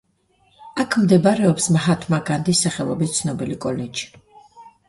აქ მდებარეობს მაჰათმა განდის სახელობის ცნობილი კოლეჯი.